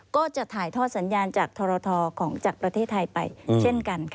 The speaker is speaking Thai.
ก็จะถ่ายทอดสัญญาณจากทรทของจากประเทศไทยไปเช่นกันค่ะ